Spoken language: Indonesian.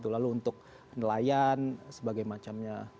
lalu untuk nelayan dan sebagainya